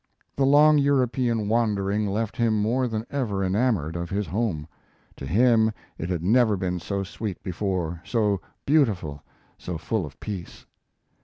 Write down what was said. The long European wandering left him more than ever enamoured of his home; to him it had never been so sweet before, so beautiful, so full of peace.